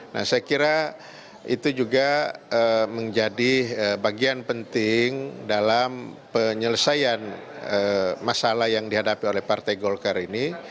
nah saya kira itu juga menjadi bagian penting dalam penyelesaian masalah yang dihadapi oleh partai golkar ini